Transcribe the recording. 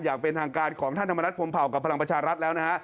อย่างเป็นทางการของท่านธรรมนัฐพรมเผากับพลังประชารัฐแล้วนะฮะ